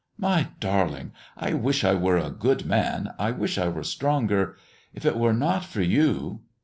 "My darling! I wish I were a good man, I wish I were stronger! If it were not for you!"